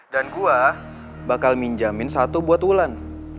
dan gua bakal minjamin satu buat wulan